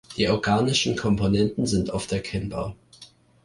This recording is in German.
Die organischen Komponenten sind oft erkennbar.